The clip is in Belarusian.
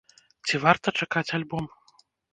Ці варта чакаць альбом?